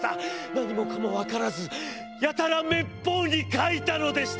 何もかもわからずやたら滅法に描いたのでした。